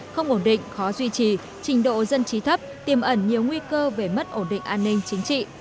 không ổn định khó duy trì trình độ dân trí thấp tiềm ẩn nhiều nguy cơ về mất ổn định an ninh chính trị